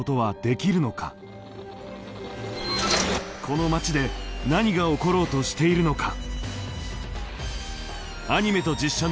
この町で何が起ころうとしているのか。